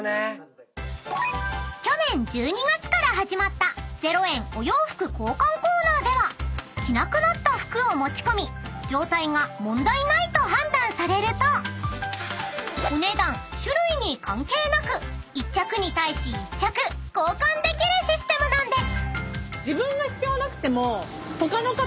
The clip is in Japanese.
［去年１２月から始まった０円お洋服交換コーナーでは着なくなった服を持ち込み状態が問題ないと判断されるとお値段種類に関係なく１着に対し１着交換できるシステムなんです］